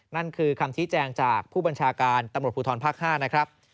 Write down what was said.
นั่นคือคำชี้แจงจากผู้บัญชาการตำรวจภูทรภาค๕นะครับ